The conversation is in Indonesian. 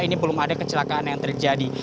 ini belum ada kecelakaan yang terjadi